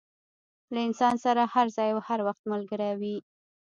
له انسان سره هر ځای او هر وخت ملګری وي.